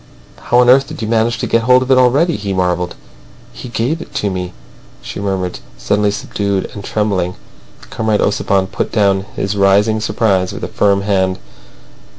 "How on earth did you manage to get hold of it already?" he marvelled. "He gave it to me," she murmured, suddenly subdued and trembling. Comrade Ossipon put down his rising surprise with a firm hand.